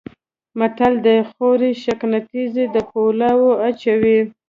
متل دی: خوري شکنه تیز د پولاو اچوي.